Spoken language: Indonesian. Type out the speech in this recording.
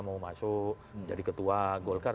mau masuk jadi ketua golkar